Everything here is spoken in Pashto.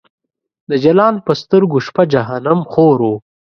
د جلان په سترګو شپه جهنم خور و